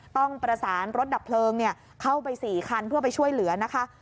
ต้องประสานรถดับเพลิงเข้าไป๔คันเพื่อไปช่วยเหลือนะคะ